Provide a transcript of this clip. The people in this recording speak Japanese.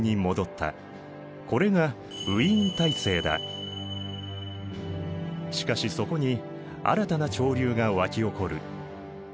これがしかしそこに新たな潮流が沸き起こる。